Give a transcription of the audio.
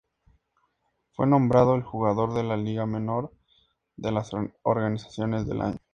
Fue nombrado el jugador de la liga menor de las organizaciones del año.